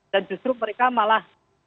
dan justru mereka malah